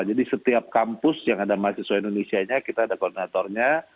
jadi setiap kampus yang ada mahasiswa indonesia nya kita ada koordinatornya